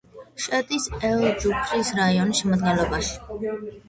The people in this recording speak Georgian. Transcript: შედის ელ-ჯუფრის რაიონის შემადგენლობაში.